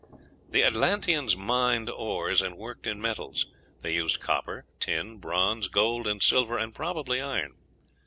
The Atlanteans mined ores, and worked in metals; they used copper, tin, bronze, gold, and silver, and probably iron.